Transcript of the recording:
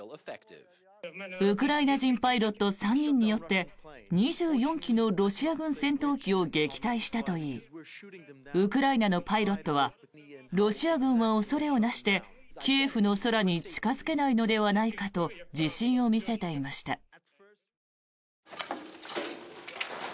ウクライナ人パイロット３人によって２４機のロシア軍戦闘機を撃退したといいウクライナのパイロットはロシア軍は恐れをなしてキエフの空に近付けないのではないかと自信を見せていました。